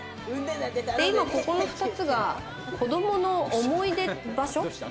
ここの２つが子供の思い出の場所。